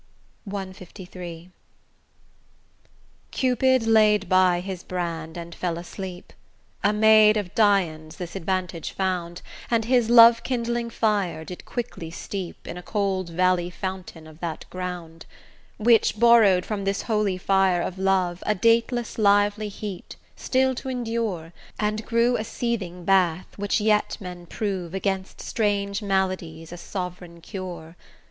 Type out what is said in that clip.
CLIII Cupid laid by his brand and fell asleep: A maid of Dian's this advantage found, And his love kindling fire did quickly steep In a cold valley fountain of that ground; Which borrow'd from this holy fire of Love, A dateless lively heat, still to endure, And grew a seeting bath, which yet men prove Against strange maladies a sovereign cure.